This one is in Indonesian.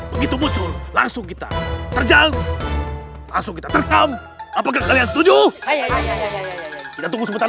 begitu muncul langsung kita terjal langsung kita terkam apakah kalian setuju kita tunggu sebentar